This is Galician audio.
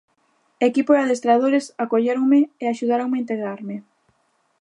Equipo e adestradores acolléronme e axudáronme a integrarme.